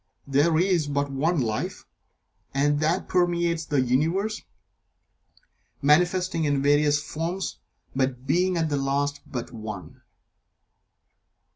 There is but One Life, and that permeates the Universe, manifesting in various forms, but being, at the last, but One.